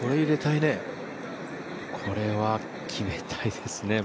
これは決めたいですね。